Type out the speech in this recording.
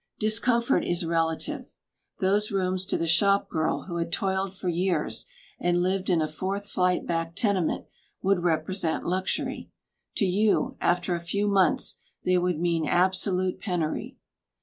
Discomfort is relative. Those rooms to the shop girl who had toiled for years, and lived in a fourth flight back tenement, would represent luxury. To you, after a few months, they would mean absolute penury.